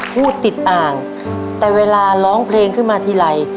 พูดติดอ่างแต่เวลาร้องเพลงขึ้นมาทีไร